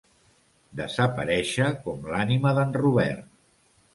Desaparèixer com l'ànima d'en Robert.